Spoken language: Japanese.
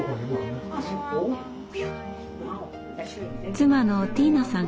妻のティーナさん